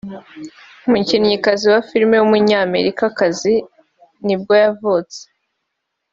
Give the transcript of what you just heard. umukinnyikazi wa filime w’umunyamerika nibwo yavutse